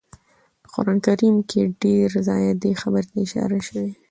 په قران کريم کي ډير ځايه دې خبرې ته اشاره شوي